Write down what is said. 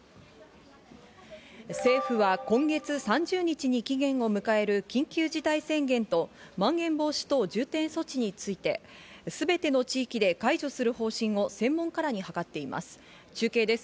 政府は今月３０日に期限を迎える緊急事態宣言とまん延防止等重点措置についてすべての地域で解除する方針を専門家らに諮っています。